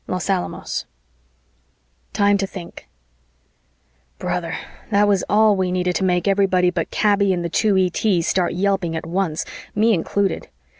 Los Alamos TIME TO THINK Brother, that was all we needed to make everybody but Kaby and the two ETs start yelping at once, me included.